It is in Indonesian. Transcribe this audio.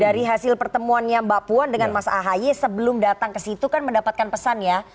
dari hasil pertemuannya mbak puan dengan mas ahaye sebelum datang ke situ kan mendapatkan pesan ya